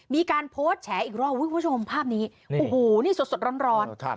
มีการโพสต์แฉอีกรอบคุณผู้ชมภาพนี้โอ้โหนี่สดร้อน